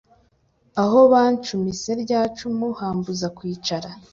aho bancumise rya cumu hambuza kwicara